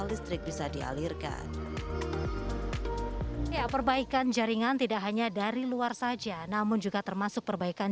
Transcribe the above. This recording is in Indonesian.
listrik bisa dialirkan ya perbaikan jaringan tidak hanya dari luar saja namun juga termasuk perbaikan